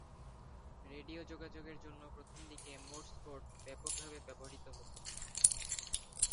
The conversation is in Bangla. রেডিও যোগাযোগের জন্য প্রথম দিকে মোর্স কোড ব্যাপক ভাবে ব্যবহৃত হত।